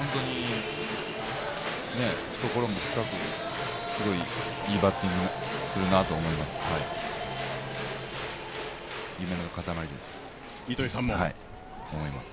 懐も深く、いいバッティングするなと思います。